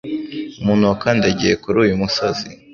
Umuntu wakandagiye kuri uyu musozi